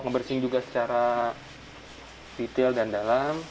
ngebersih juga secara detail dan dalam